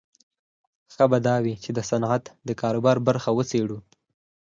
ښه به دا وي چې د صنعت د کاروبار برخه وڅېړو